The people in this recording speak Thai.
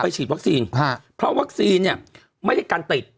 ฉีดวัคซีนเพราะวัคซีนเนี่ยไม่ได้กันติด